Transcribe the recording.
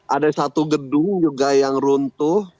ada satu gedung juga yang runtuh